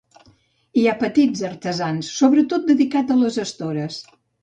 Hi ha petits artesans sobretot dedicats a les estores.